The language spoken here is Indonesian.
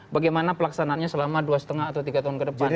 bagaimana pelaksanaannya selama dua lima atau tiga tahun ke depan